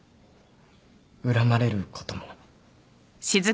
恨まれることも。